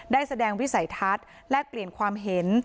ได้แสดงวิสัยทัศน์แลกเปลี่ยนความเห็น